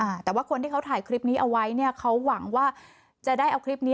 อ่าแต่ว่าคนที่เขาถ่ายคลิปนี้เอาไว้เนี้ยเขาหวังว่าจะได้เอาคลิปนี้